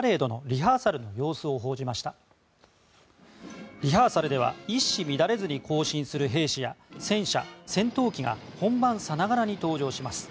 リハーサルでは一糸乱れずに行進する兵士や戦車、戦闘機が本番さながらに登場します。